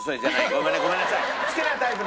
ごめんねごめんなさい。